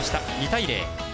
２対０。